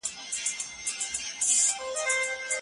هیڅوک نشي کولای سياسي حقونه له خلګو واخلي.